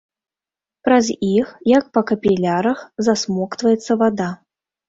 Праз іх, як па капілярах, засмоктваецца вада.